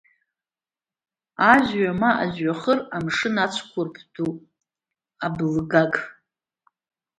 Ажәҩа ма ажәҩахыр, амшын ацәқәырԥ ду, аблыгаг.